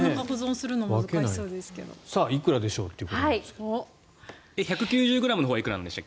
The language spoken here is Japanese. さあ、いくらでしょうということですが。